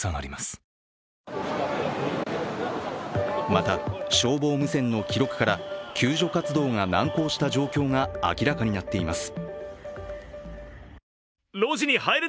また、消防無線の記録から救助活動が難航した状況が明らかになっています。